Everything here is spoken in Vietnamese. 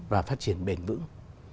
và phát triển bền vững